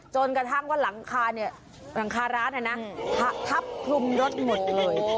จนกระทั้งว่าหลังคาร้านทับคลุมรถหมดเลย